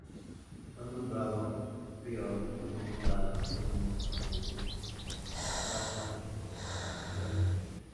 Fue nombrado Pryor en honor al astrónomo estadounidense Carlton P. Pryor.